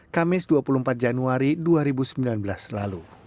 kamis dua puluh empat januari dua ribu sembilan belas lalu